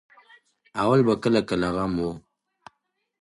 اول به کله کله غم وو.